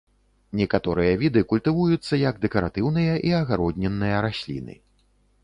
Некаторыя віды культывуюцца як дэкаратыўныя і агароднінныя расліны.